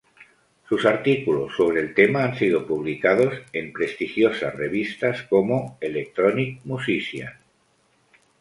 Sus artículos sobre el tema han sido publicados en prestigiosas revistas como Electronic Musician.